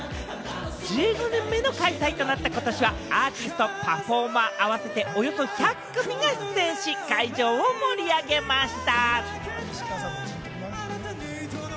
１５年目の開催となった今年はアーティスト、パフォーマー、合わせておよそ１００組が出演し、会場を盛り上げました。